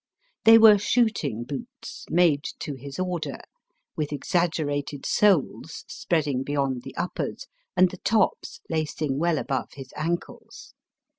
They were shooting boots, made to his order, with exaggerated soles spreading beyond the uppers and the tops lacing well above his ankles.